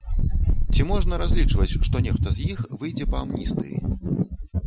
Ці можна разлічваць, што нехта з іх выйдзе па амністыі?